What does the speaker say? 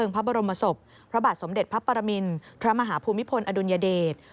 พระมหาภูมิพลอดุญเดต